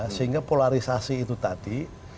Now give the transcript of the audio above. sehingga polarisasi itu tadi